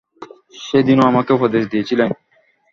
সেদিনও আমাকে উপদেশ দিয়েছিলে।